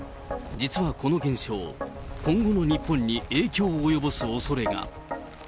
実はこの現象、今後の日本に影響を及ぼすおそれが。